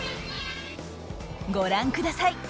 ご覧ください。